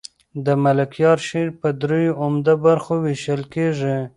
د ملکیار شعر په دریو عمده برخو وېشل کېږي.